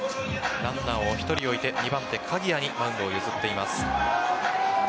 ランナーを１人置いて２番手・鍵谷にマウンドを譲っています。